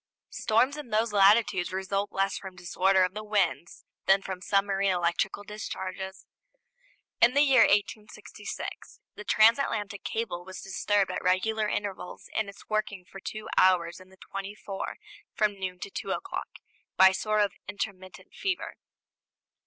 Storms in those latitudes result less from disorder of the winds than from submarine electrical discharges. In the year 1866 the transatlantic cable was disturbed at regular intervals in its working for two hours in the twenty four from noon to two o'clock by a sort of intermittent fever.